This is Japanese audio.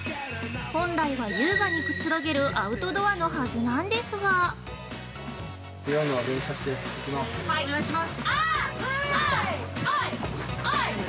本来は優雅にくつろげるアウトドアのはずなんですが◆お願いします！